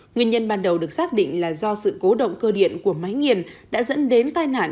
nguyên nhân ban đầu được xác định là do sự cố động cơ điện của máy nghiền đã dẫn đến tai nạn